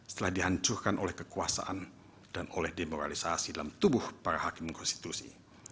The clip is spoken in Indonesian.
setelah dihancurkan oleh kekuasaan dan oleh demoralisasi dalam tubuh para hakim konstitusi